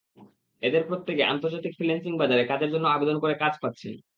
এঁদের প্রত্যেকে আন্তর্জাতিক ফ্রিল্যান্সিং বাজারে কাজের জন্য আবেদন করে কাজ পাচ্ছেন।